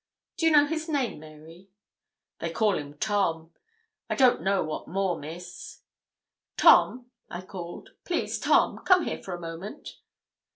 'Do you know his name, Mary?' 'They call him Tom, I don't know what more, Miss.' 'Tom,' I called; 'please, Tom, come here for a moment.'